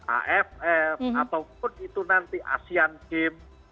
aff ataupun itu nanti asean games